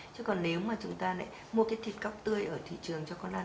chứ còn nếu mà chúng ta lại mua cái thịt cóc tươi ở thị trường cho con ăn